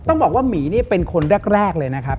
ต้องบอกว่าหมีนี่เป็นคนแรกเลยนะครับ